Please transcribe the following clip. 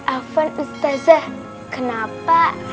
apaan ustad kenapa